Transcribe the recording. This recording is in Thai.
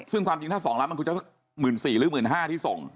ซึ่งความจริงถ้าส่งล้านมันคือจะสักหมื่นสี่หรือหมื่นห้าที่ส่ง